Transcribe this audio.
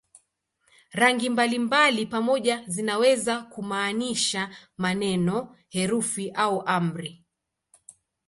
Rangi mbalimbali pamoja zinaweza kumaanisha maneno, herufi au amri.